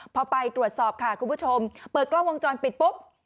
พอไปตรวจสอบค่ะคุณผู้ชมเปิดกล้องวงจรปิดปุ๊บ